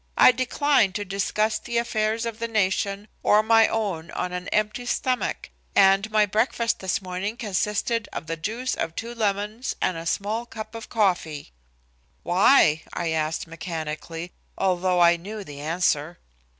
I decline to discuss the affairs of the nation or my own on an empty stomach, and my breakfast this morning consisted of the juice of two lemons and a small cup of coffee." "Why?" I asked mechanically, although I knew the answer.